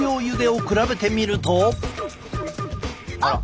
あっ！